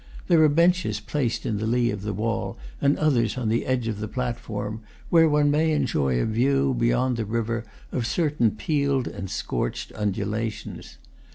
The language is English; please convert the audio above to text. There are benches placed in the lee of the wall, and others on the edge of the platform, where one may enjoy a view, beyond the river, of certain peeled and scorched undulations.